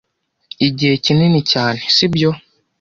igihe kinini cyane sibyo